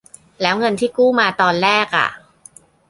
แล้วเงินที่กู้มาตอนแรกอะ ?